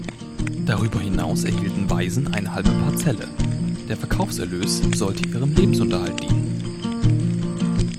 Darüber hinaus erhielten Waisen eine halbe Parzelle, der Verkaufserlös sollte ihrem Lebensunterhalt dienen.